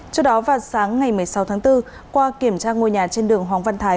trước đó vào sáng ngày một mươi sáu tháng bốn qua kiểm tra ngôi nhà trên đường hoàng văn thái